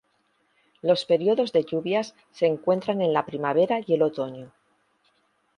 Los periodos de lluvias se encuentran en la primavera y el otoño.